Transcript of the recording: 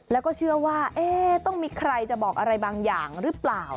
แล้วก็เชื่อว่าต้องมีใครจะบอกอะไรบางอย่างหรือเปล่า